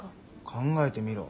考えてみろ。